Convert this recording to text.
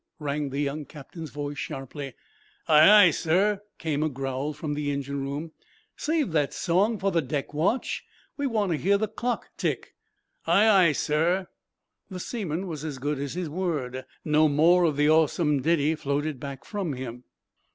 rang the young captain's voice sharply. "Aye, aye, sir!" came a growl from the engine room. "Save that song for the deck watch. We want to hear the clock tick." "Aye, aye, sir." The seaman was as good as his word. No more of the awesome ditty floated back from him.